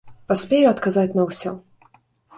Паспею адказаць на ўсё!